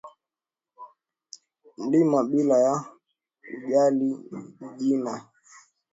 Mlima bila ya kujali ni jina